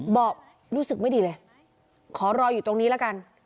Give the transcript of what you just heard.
บอกรู้สึกไม่ดีเลยขอรออยู่ตรงนี้ละกัน